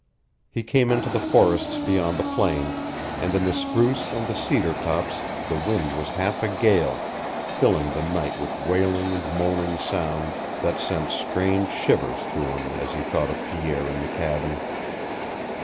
He came into the forests beyond the plain, and in the spruce and the cedar tops the wind was half a gale, filling the night with wailing and moaning sounds that sent strange shivers through him as he thought of Pierre in the cabin.